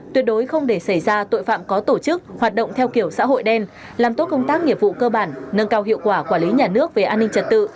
tuyệt đối không để xảy ra tội phạm có tổ chức hoạt động theo kiểu xã hội đen làm tốt công tác nghiệp vụ cơ bản nâng cao hiệu quả quản lý nhà nước về an ninh trật tự